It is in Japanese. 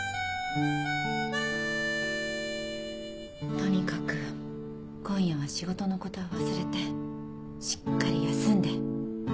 とにかく今夜は仕事のことは忘れてしっかり休んで。